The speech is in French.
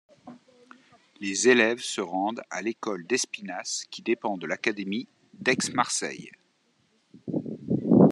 Les élèves se rendent à l'école d'Espinasses, qui dépend de l'académie d'Aix-Marseille.